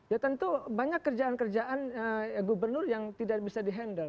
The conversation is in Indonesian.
ya tentu banyak kerjaan kerjaan gubernur yang tidak bisa di handle